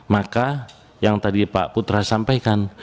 maka yang tadi pak putra sampaikan